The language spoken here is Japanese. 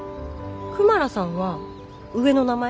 クマラさんは上の名前？